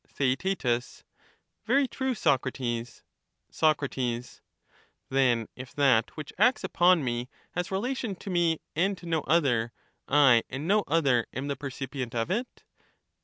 Theaet Very true, Socrates. Soc, Then, if that which acts upon me has relation to me and to no other, I and no other am the percipient of it?